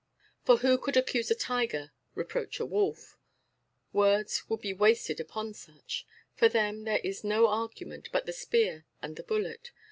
For who would accuse a tiger, reproach a wolf? Words would be wasted upon such. For them there is no argument but the spear and the bullet.